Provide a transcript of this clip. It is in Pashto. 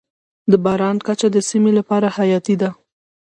د باران کچه د سیمې لپاره حیاتي ده.